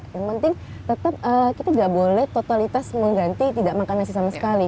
yang penting tetap kita tidak boleh totalitas mengganti tidak makan nasi sama sekali